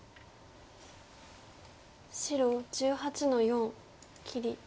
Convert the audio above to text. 白１８の四切り。